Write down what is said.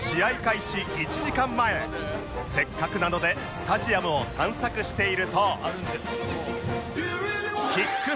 せっかくなのでスタジアムを散策していると